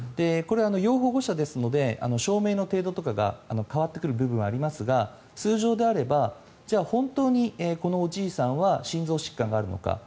これは要保護者ですので証明の程度とかが変わってくる部分はありますが通常であれば本当にこのおじいさんは心臓疾患があるのか。